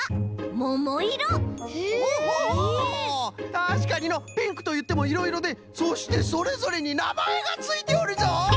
たしかにのピンクといってもいろいろでそしてそれぞれになまえがついておるぞ！